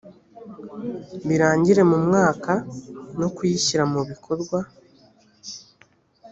birangire mu mwaka no kuyishyira mu bikorwa